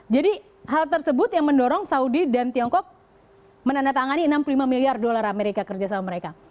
hal tersebut yang mendorong saudi dan tiongkok menandatangani enam puluh lima miliar dolar amerika kerjasama mereka